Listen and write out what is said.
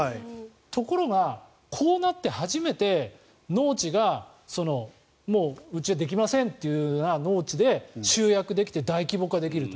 ところがこうなって初めて農地がうちはできませんっていう農地で集約できて大規模化できると。